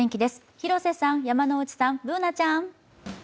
広瀬さん、山内さん、Ｂｏｏｎａちゃん。